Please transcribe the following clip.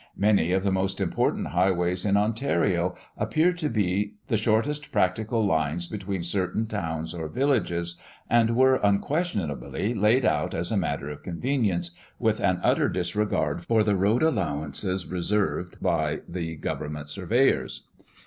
Many of the most important highways in Ontario appear to be the shortest practical lines between certain towns or villages, and were unquestionably laid out as a matter of convenience, with an utter disregard for the road allowances reserved by the government surveyors.